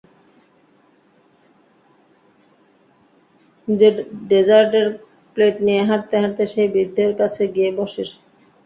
ডেজার্টের plate নিয়ে হাঁটতে হাঁটতে সেই বৃদ্ধের কাছে গিয়ে বসে সে।